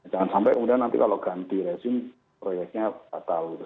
jangan sampai kemudian nanti kalau ganti rezim proyeknya batal gitu